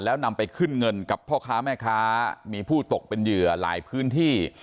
แล้วนำไปขึ้นเงินกับพ่อค้าแม่ค้ามีผู้ตกเป็นเหยื่อหลายพื้นที่